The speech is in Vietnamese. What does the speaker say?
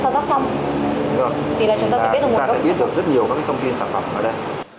chúng ta sẽ biết được rất nhiều các thông tin sản phẩm ở đây